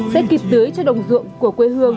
sẽ kịp tưới cho đồng ruộng của quê hương